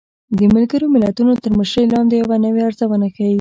د ملګرو ملتونو تر مشرۍ لاندې يوه نوې ارزونه ښيي